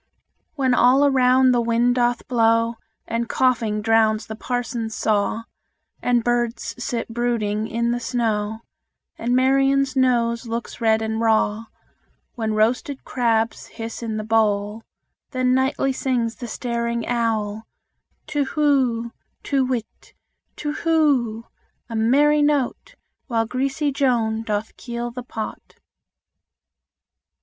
When all aloud the wind doth blow, And coughing drowns the parson's saw, And birds sit brooding in the snow, And Marian's nose looks red and raw When roasted crabs hiss in the bowl, Then nightly sings the staring owl, Tu who; Tu whit, tu who: a merry note, While greasy Joan doth keel the pot.